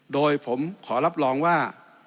โดยผมขอรับรองว่า